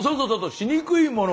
しにくいもの。